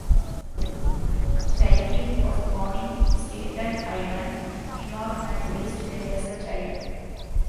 Shyheim was born in Staten Island New York and raised there as a child.